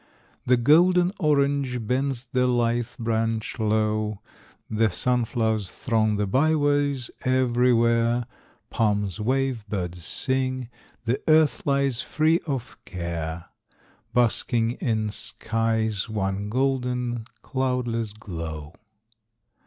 The golden orange bends the lithe branch low, The sunflowers throng the by ways everywhere, Palms wave, birds sing. The earth lies free of care, Basking in skies one golden, cloudless glow.